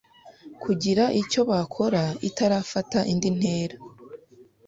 kugira icyo bakora itarafata indi ntera.